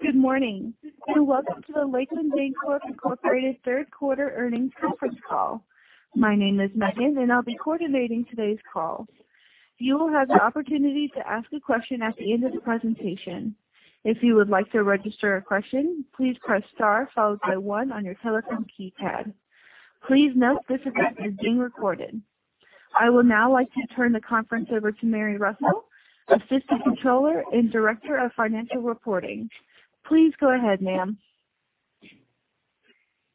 Good morning, and welcome to the Lakeland Bancorp, Inc. Q3 earnings conference call. My name is Megan, and I'll be coordinating today's call. You will have the opportunity to ask a question at the end of the presentation. If you would like to register a question, please press star followed by one on your telephone keypad. Please note this event is being recorded. I will now like to turn the conference over to Mary Russell, Assistant Controller and Director of Financial Reporting. Please go ahead, ma'am.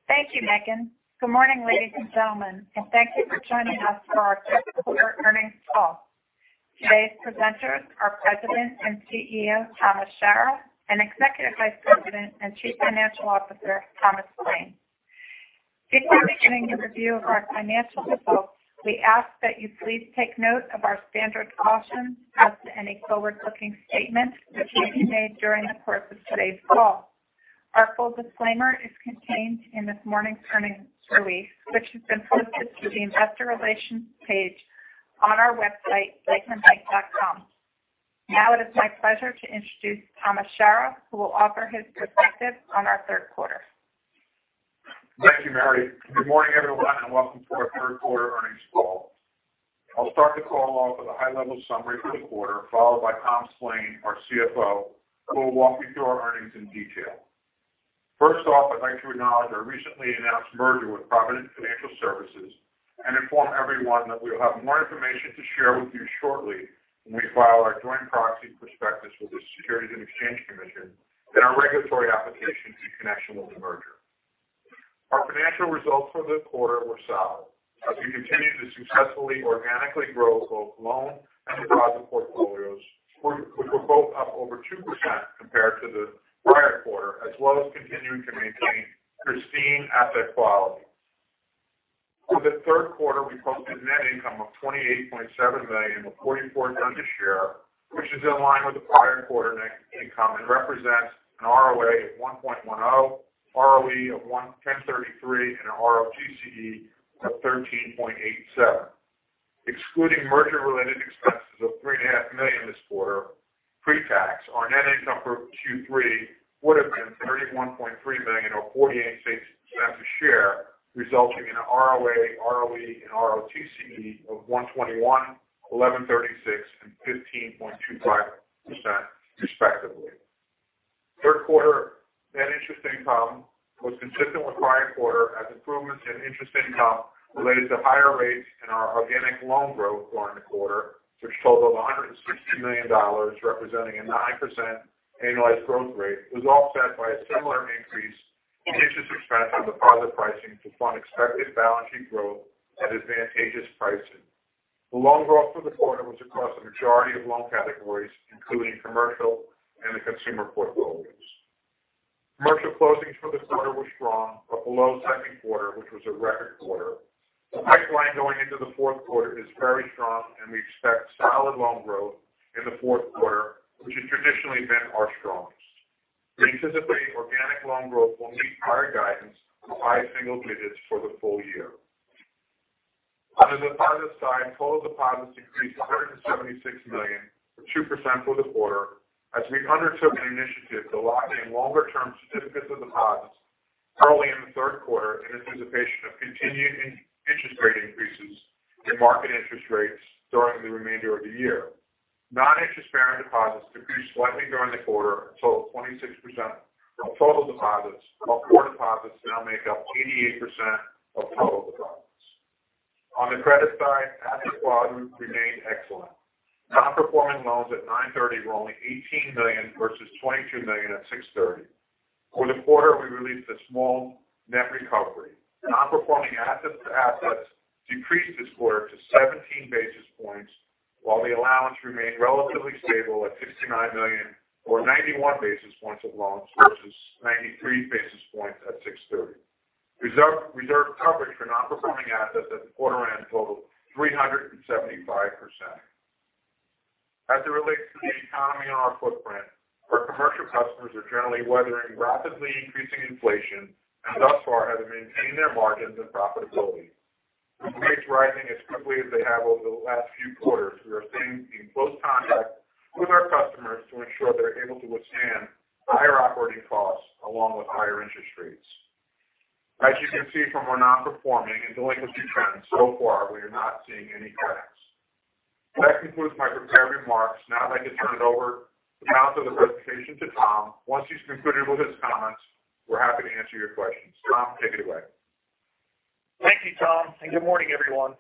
Thank you, Megan. Good morning, ladies and gentlemen, and thank you for joining us for our Q3 earnings call. Today's presenters are President and CEO, Thomas J. Shara, and Executive Vice President and Chief Financial Officer, Thomas F. Splaine. Before beginning the review of our financial results, we ask that you please take note of our standard caution as to any forward-looking statements that may be made during the course of today's call. Our full disclaimer is contained in this morning's earnings release, which has been posted to the investor relations page on our website, lakelandbank.com. Now it is my pleasure to introduce Thomas J. Shara, who will offer his perspective on our Q3. Thank you, Mary. Good morning, everyone, and welcome to our Q3 earnings call. I'll start the call off with a high level summary for the quarter, followed by Thomas F. Splaine, our CFO, who will walk you through our earnings in detail. First off, I'd like to acknowledge our recently announced merger with Provident Financial Services and inform everyone that we will have more information to share with you shortly when we file our joint proxy prospectus with the Securities and Exchange Commission and our regulatory application in connection with the merger. Our financial results for the quarter were solid as we continue to successfully organically grow both loan and deposit portfolios, which were both up over 2% compared to the prior quarter, as well as continuing to maintain pristine asset quality. For the Q3, we posted net income of $28.7 million with $0.44 a share, which is in line with the prior quarter net income and represents an ROA of 1.10%, ROE of 10.33%, and an ROTCE of 13.87%. Excluding merger related expenses of $3.5 million this quarter, pre-tax, our net income for Q3 would have been $31.3 million or $0.48 a share, resulting in an ROA, ROE, and ROTCE of 1.21%, 11.36%, and 15.25% respectively. Q3 net interest income was consistent with prior quarter as improvements in interest income related to higher rates in our organic loan growth during the quarter, which totaled $160 million, representing a 9% annualized growth rate, was offset by a similar increase in interest expense on deposit pricing to fund expected balance sheet growth at advantageous pricing. The loan growth for the quarter was across the majority of loan categories, including commercial and the consumer portfolios. Commercial closings for the quarter were strong, but below Q2, which was a record quarter. The pipeline going into the Q4 is very strong and we expect solid loan growth in the Q4, which has traditionally been our strongest. We anticipate organic loan growth will meet prior guidance of high single digits% for the full year. Under the deposit side, total deposits increased $176 million, or 2% for the quarter, as we undertook an initiative to lock in longer-term certificates of deposit early in the Q3 in anticipation of continued interest rate increases in market interest rates during the remainder of the year. Noninterest-bearing deposits decreased slightly during the quarter and totaled 26% of total deposits, while core deposits now make up 88% of total deposits. On the credit side, asset quality remained excellent. Nonperforming loans at 9/30 were only $18 million versus $22 million at 6/30. For the quarter, we released a small net recovery. Nonperforming assets to assets decreased this quarter to 17 basis points, while the allowance remained relatively stable at $69 million or 91 basis points of loans versus 93 basis points at 6/30. Reserve coverage for non-performing assets at the quarter end totaled 375%. As it relates to the economy and our footprint, our commercial customers are generally weathering rapidly increasing inflation and thus far have maintained their margins and profitability. With rates rising as quickly as they have over the last few quarters, we are staying in close contact with our customers to ensure they're able to withstand higher operating costs along with higher interest rates. As you can see from our non-performing and delinquency trends, so far we are not seeing any cracks. That concludes my prepared remarks. Now I'd like to turn the balance of the presentation over to Tom. Once he's concluded with his comments, we're happy to answer your questions. Tom, take it away. Thank you, Tom, and good morning, everyone.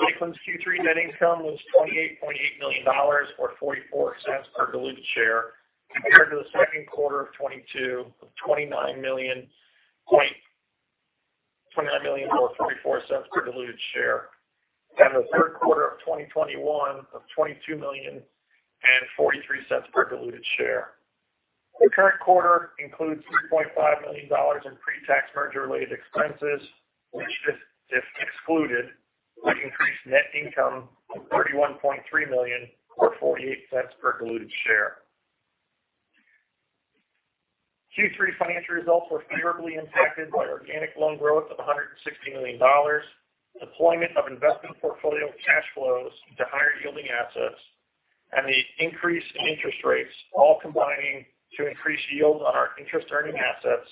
Lakeland's Q3 net income was $28.8 million, or $0.44 per diluted share, compared to the Q2 of 2022 of $29 million or $0.44 per diluted share, and the Q3 of 2021 of $22 million and $0.43 per diluted share. The current quarter includes $3.5 million in pre-tax merger-related expenses, which if excluded, would increase net income to $31.3 million or $0.48 per diluted share. Q3 financial results were favorably impacted by organic loan growth of $160 million, deployment of investment portfolio cash flows into higher yielding assets, and the increase in interest rates, all combining to increase yield on our interest-earning assets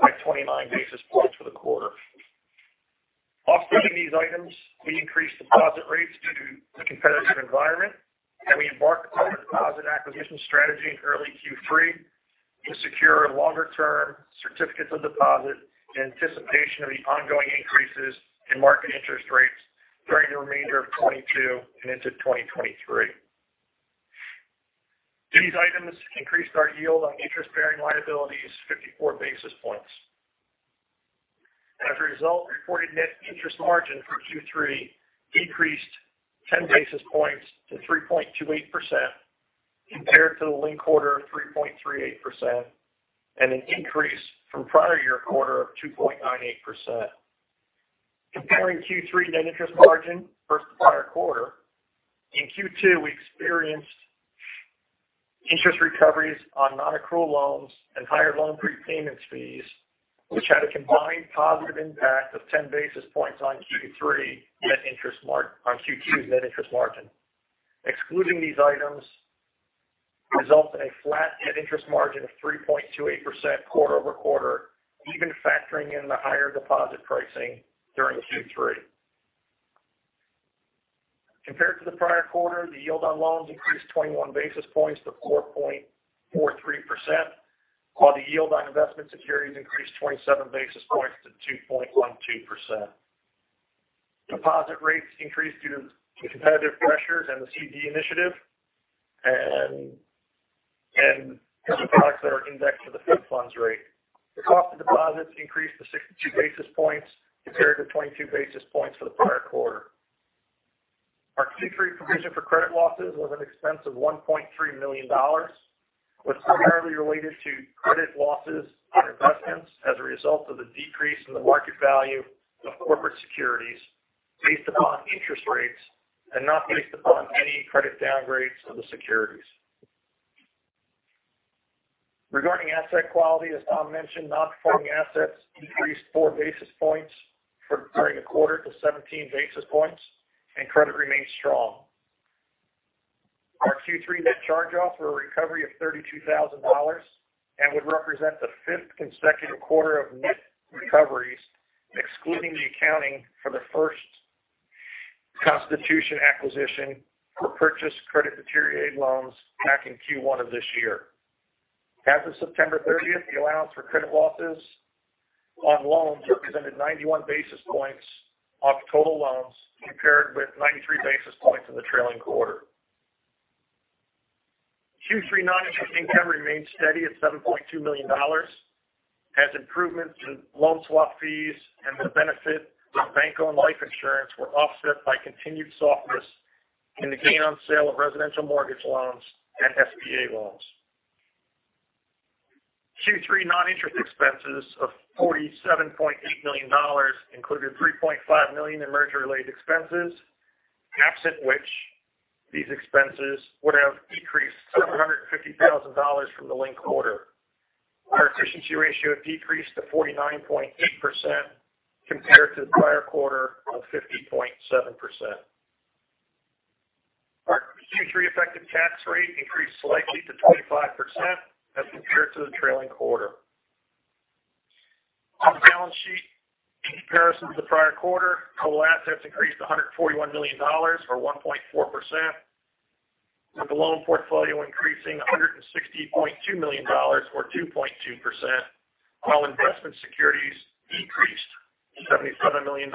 by 29 basis points for the quarter. Offsetting these items, we increased deposit rates due to the competitive environment, and we embarked on a deposit acquisition strategy in early Q3 to secure longer-term certificates of deposit in anticipation of the ongoing increases in market interest rates during the remainder of 2022 and into 2023. These items increased our yield on interest-bearing liabilities 54 basis points. As a result, reported net interest margin for Q3 increased 10 basis points to 3.28% compared to the linked quarter of 3.38% and an increase from prior year quarter of 2.98%. Comparing Q3 net interest margin versus the prior quarter, in Q2, we experienced interest recoveries on non-accrual loans and higher loan prepayment fees, which had a combined positive impact of 10 basis points on Q2's net interest margin. Excluding these items results in a flat net interest margin of 3.28% quarter over quarter, even factoring in the higher deposit pricing during Q3. Compared to the prior quarter, the yield on loans increased 21 basis points to 4.43%, while the yield on investment securities increased 27 basis points to 2.12%. Deposit rates increased due to competitive pressures and the CD initiative and other products that are indexed to the Fed funds rate. The cost of deposits increased to 62 basis points compared to 22 basis points for the prior quarter. Our Q3 provision for credit losses was an expense of $1.3 million, which primarily related to credit losses on investments as a result of the decrease in the market value of corporate securities based upon interest rates and not based upon any credit downgrades of the securities. Regarding asset quality, as Tom mentioned, non-performing assets decreased 4 basis points during the quarter to 17 basis points and credit remains strong. Our Q3 net charge-offs were a recovery of $32 thousand and would represent the fifth consecutive quarter of net recoveries, excluding the accounting for the 1st Constitution acquisition for purchased credit-deteriorated loans back in Q1 of this year. As of September 30, the allowance for credit losses on loans represented 91 basis points of total loans, compared with 93 basis points in the trailing quarter. Q3 non-interest income remained steady at $7.2 million as improvements in loan swap fees and the benefit of bank-owned life insurance were offset by continued softness in the gain on sale of residential mortgage loans and SBA loans. Q3 non-interest expenses of $47.8 million included $3.5 million in merger-related expenses, absent which these expenses would have decreased $750 thousand from the linked quarter. Our efficiency ratio decreased to 49.8% compared to the prior quarter of 50.7%. Our Q3 effective tax rate increased slightly to 25% as compared to the trailing quarter. On the balance sheet, in comparison to the prior quarter, total assets increased $141 million or 1.4%, with the loan portfolio increasing $160.2 million or 2.2%, while investment securities decreased $77 million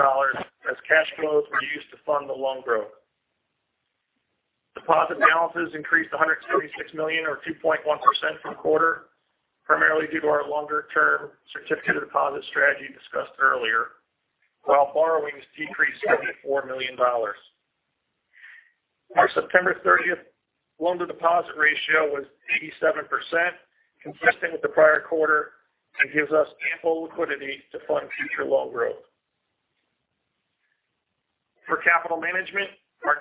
as cash flows were used to fund the loan growth. Deposit balances increased $176 million or 2.1% from quarter, primarily due to our longer-term certificate of deposit strategy discussed earlier, while borrowings decreased $74 million. Our September 30th loan-to-deposit ratio was 87%, consistent with the prior quarter and gives us ample liquidity to fund future loan growth. For capital management, our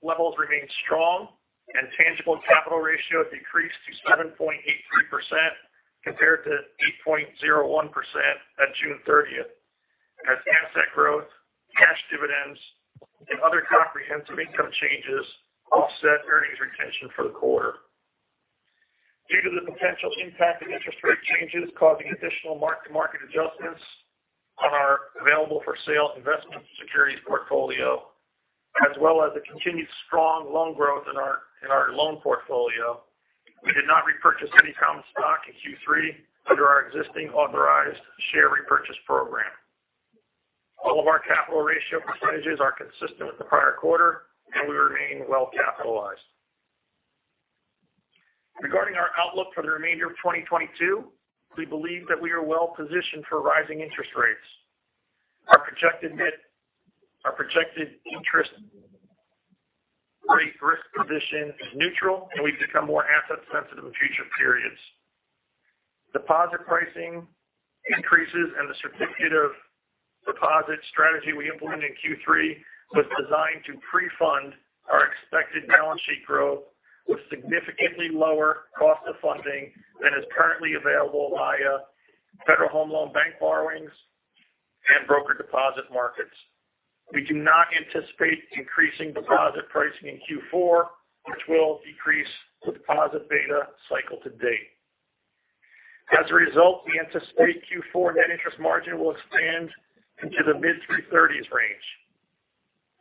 capital levels remain strong and tangible capital ratio decreased to 7.83% compared to 8.01% at June 30 as asset growth, cash dividends, and other comprehensive income changes offset earnings retention for the quarter. Due to the potential impact of interest rate changes causing additional mark-to-market adjustments on our available for sale investment securities portfolio, as well as the continued strong loan growth in our loan portfolio, we did not repurchase any common stock in Q3 under our existing authorized share repurchase program. All of our capital ratio percentages are consistent with the prior quarter, and we remain well capitalized. Regarding our outlook for the remainder of 2022, we believe that we are well positioned for rising interest rates. Our projected interest rate risk position is neutral, and we become more asset sensitive in future periods. Deposit pricing increases and the certificate of deposit strategy we implemented in Q3 was designed to pre-fund our expected balance sheet growth with significantly lower cost of funding than is currently available via Federal Home Loan Bank borrowings and broker deposit markets. We do not anticipate increasing deposit pricing in Q4, which will decrease the deposit beta cycle to date. As a result, we anticipate Q4 net interest margin will expand into the mid-3.3s range.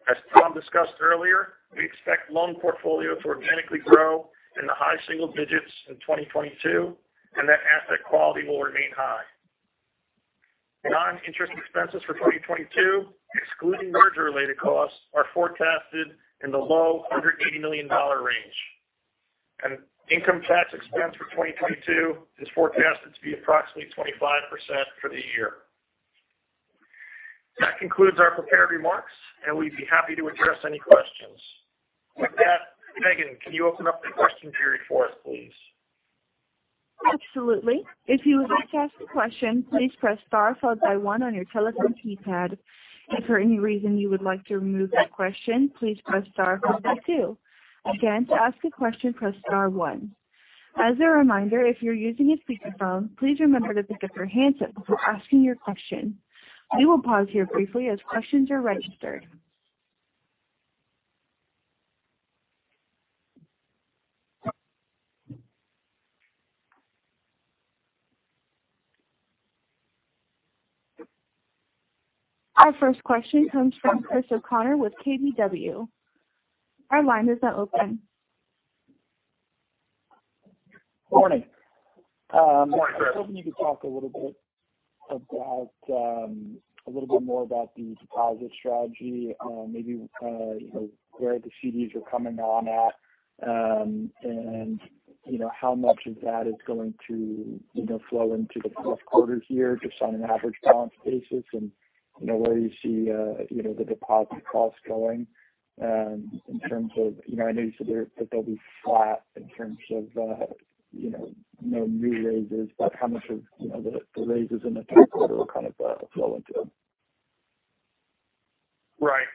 As Tom discussed earlier, we expect loan portfolio to organically grow in the high single digits% in 2022, and that asset quality will remain high. Non-interest expenses for 2022, excluding merger-related costs, are forecasted in the low $180 million range. Income tax expense for 2022 is forecasted to be approximately 25% for the year. That concludes our prepared remarks, and we'd be happy to address any questions. With that, Megan, can you open up the question period for us, please? Absolutely. If you would like to ask a question, please press star followed by one on your telephone keypad. If for any reason you would like to remove that question, please press star followed by two. Again, to ask a question, press star one. As a reminder, if you're using a speakerphone, please remember to pick up your handset before asking your question. We will pause here briefly as questions are registered. Our first question comes from Christopher O'Connell with KBW. Our line is now open. Morning. I was hoping you could talk a little bit about a little bit more about the deposit strategy, maybe, you know, where the CDs are coming on at, and you know, how much of that is going to, you know, flow into the Q4 here just on an average balance basis. You know, where you see, you know, the deposit costs going, in terms of, you know, I know you said that they'll be flat in terms of, you know, no new raises. How much of, you know, the raises in the Q3 will kind of flow into them? Right.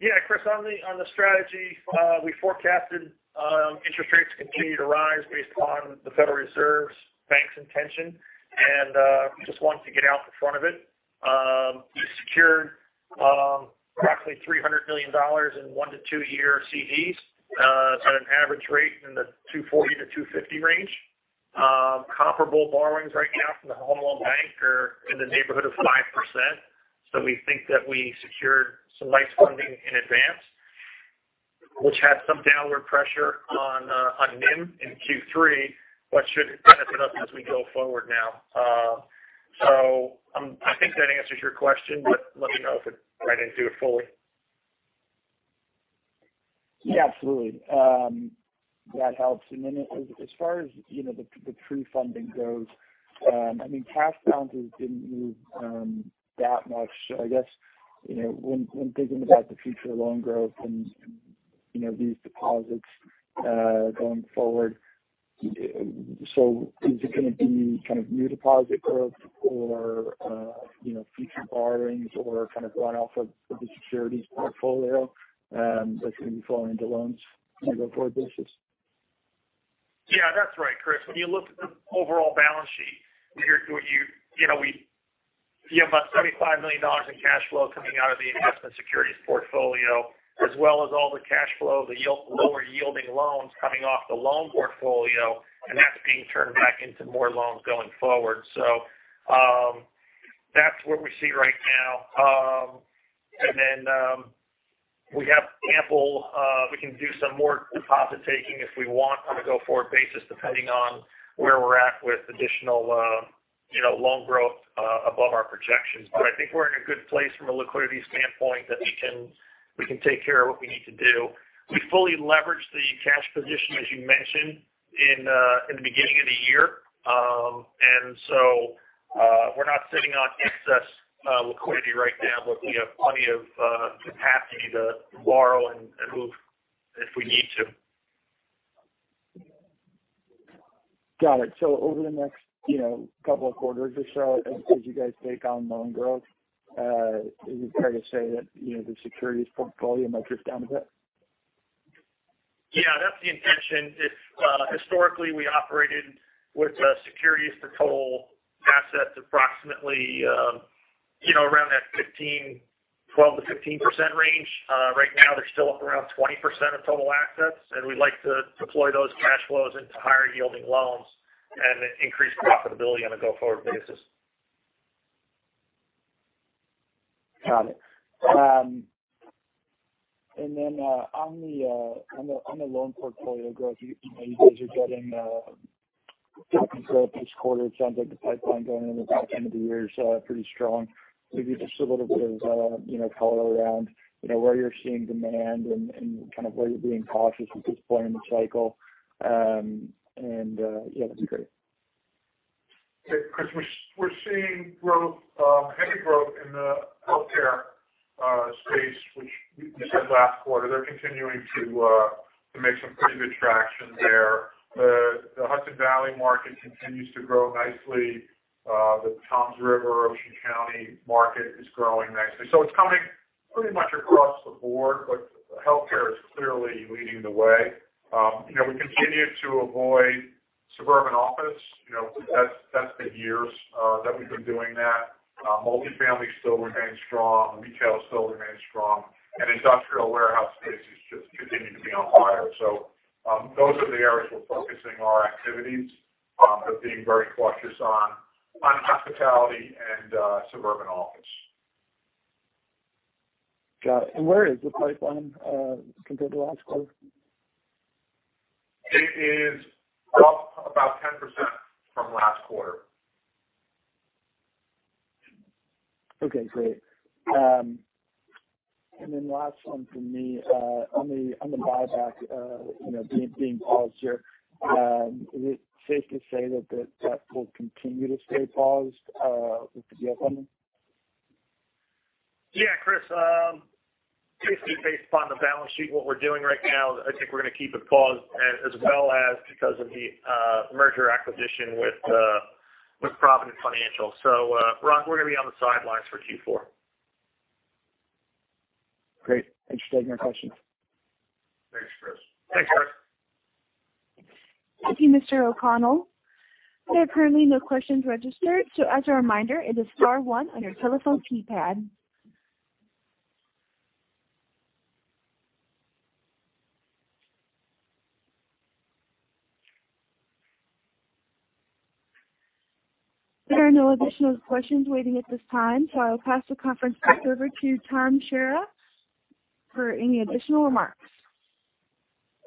Yeah, Chris, on the strategy, we forecasted interest rates continue to rise based upon the Federal Reserve's intention, and we just wanted to get out in front of it. We secured approximately $300 million in one-two year CDs at an average rate in the 2.40%-2.50% range. Comparable borrowings right now from the Federal Home Loan Bank are in the neighborhood of 5%. We think that we secured some nice funding in advance, which had some downward pressure on NIM in Q3, but should benefit us as we go forward now. I think that answers your question, but let me know if I didn't do it fully. Yeah, absolutely. That helps. As far as, you know, the true funding goes, I mean, cash balances didn't move that much. I guess, you know, when thinking about the future loan growth and you know, these deposits going forward, is it going to be kind of new deposit growth or, you know, future borrowings or kind of run off of the securities portfolio that's going to be flowing into loans on a go-forward basis? Yeah, that's right, Chris. When you look at the overall balance sheet, you know we have about $75 million in cash flow coming out of the investment securities portfolio as well as all the cash flow, the lower yielding loans coming off the loan portfolio, and that's being turned back into more loans going forward. That's what we see right now. We have ample. We can do some more deposit taking if we want on a go-forward basis, depending on where we're at with additional, you know, loan growth above our projections. I think we're in a good place from a liquidity standpoint that we can take care of what we need to do. We fully leverage the cash position, as you mentioned, in the beginning of the year. We're not sitting on excess liquidity right now, but we have plenty of capacity to borrow and move if we need to. Got it. Over the next, you know, couple of quarters or so, as you guys take on loan growth, is it fair to say that, you know, the securities portfolio might drift down a bit? Yeah, that's the intention. If historically we operated with securities to total assets approximately, you know, around that 15, 12%-15% range. Right now, they're still up around 20% of total assets, and we'd like to deploy those cash flows into higher yielding loans and increase profitability on a go-forward basis. Got it. On the loan portfolio growth, you know, you guys are getting good growth this quarter. It sounds like the pipeline going into the back end of the year is pretty strong. Maybe just a little bit of, you know, color around, you know, where you're seeing demand and kind of where you're being cautious at this point in the cycle. Yeah, that'd be great. Chris, we're seeing growth, heavy growth in the healthcare. Space, which we said last quarter, they're continuing to make some pretty good traction there. The Hudson Valley market continues to grow nicely. The Toms River, Ocean County market is growing nicely. It's coming pretty much across the board, but healthcare is clearly leading the way. You know, we continue to avoid suburban office. You know, that's been years that we've been doing that. Multifamily still remains strong. Retail still remains strong. Industrial warehouse space has just continued to be on fire. Those are the areas we're focusing our activities, but being very cautious on hospitality and suburban office. Got it. Where is the pipeline, compared to last quarter? It is up about 10% from last quarter. Okay, great. Last one from me, on the buyback, you know, being paused here, is it safe to say that will continue to stay paused, with the upcoming? Yeah, Chris, basically based upon the balance sheet, what we're doing right now, I think we're gonna keep it paused as well as because of the merger acquisition with Provident Financial Services. Ron, we're gonna be on the sidelines for Q4. Great. Thanks for taking my questions. Thanks, Chris. Thanks, Chris. Thank you, Mr. O'Connell. There are currently no questions registered, so as a reminder, it is star one on your telephone keypad. There are no additional questions waiting at this time, so I will pass the conference back over to Tom Shara for any additional remarks.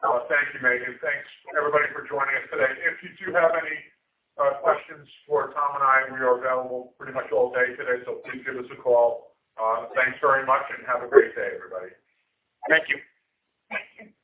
Thank you, Megan. Thanks everybody for joining us today. If you do have any questions for Tom and I, we are available pretty much all day today, so please give us a call. Thanks very much and have a great day, everybody. Thank you. Thank you.